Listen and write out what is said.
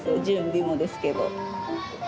準備もですけど。